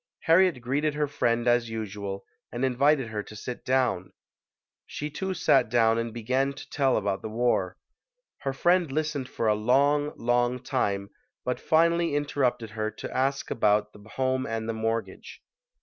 Harriet greeted her friend as usual and invited her to sit down; she too sat down and began to tell about the war. Her friend listened for a long, long time but finally interrupted her to ask about 100] UNSUNG HEROES the home and the mortgage.